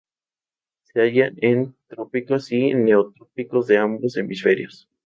Se hallan en trópicos y neotrópicos de ambos hemisferios.